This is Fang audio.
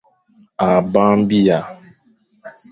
A bang biya.